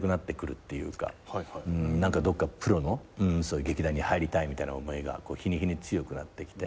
どっかプロの劇団に入りたいみたいな思いが日に日に強くなってきて。